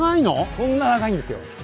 そんな長いんですよ。